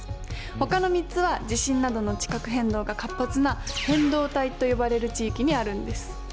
ほかの３つは地震などの地殻変動が活発な変動帯と呼ばれる地域にあるんです。